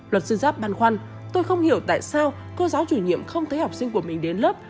luật sư giáp ban khoăn tôi không hiểu tại sao cô giáo chủ nhiệm không thấy học sinh của mình đến lớp